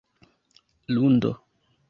lundo